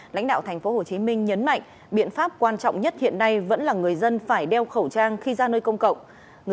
lãnh đạo thành phố hồ chí minh nhấn mạnh biện pháp quan trọng nhất hiện nay vẫn là người dân phải đeo khẩu trang khi ra nơi công cộng